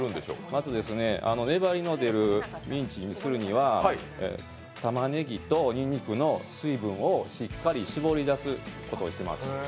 まず粘りの出るミンチにするには、たまねぎとにんにくの水分をしっかり絞り出すことをします。